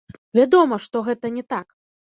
Вядома, што гэта не так.